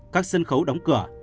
các sân khấu đóng cửa